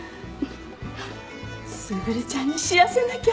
卓ちゃんに知らせなきゃ！